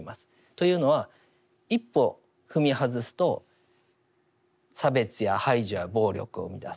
というのは一歩踏み外すと差別や排除や暴力を生みだす。